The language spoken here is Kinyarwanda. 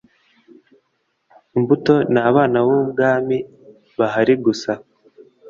imbuto ni abana b ubwami bahari gusa